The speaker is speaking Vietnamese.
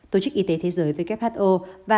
tổ chức y tế thế giới who và